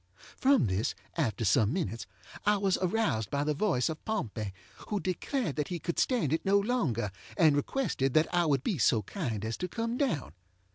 From this, after some minutes, I was aroused by the voice of Pompey, who declared that he could stand it no longer, and requested that I would be so kind as to come down.